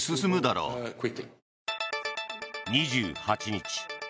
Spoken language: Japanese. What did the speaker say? ２８日